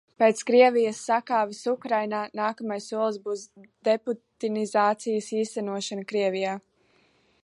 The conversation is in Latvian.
Pēc Krievijas sakāves Ukrainā, nākamais solis būs deputinizācijas īstenošana Krievijā.